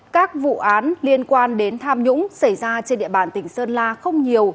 các vụ án liên quan đến tham nhũng xảy ra trên địa bàn tỉnh sơn la không nhiều